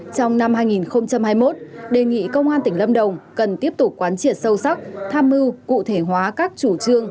trong năm hai nghìn hai mươi một đề nghị công an tỉnh lâm đồng cần tiếp tục quán triệt sâu sắc tham mưu cụ thể hóa các chủ trương